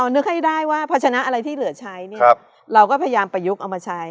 นึกให้ได้ว่าพัชนะอะไรที่เหลือใช้เนี่ยเราก็พยายามประยุกต์เอามาใช้